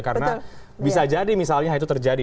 karena bisa jadi misalnya itu terjadi